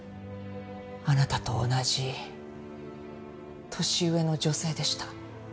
あなたと同じ年上の女性でした。